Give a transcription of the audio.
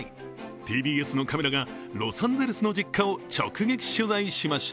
ＴＢＳのカメラがロサンゼルスの実家を直撃取材しました。